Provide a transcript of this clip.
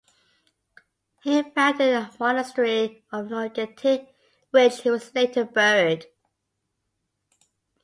He founded the monastery of Nor-Getik which he was later buried.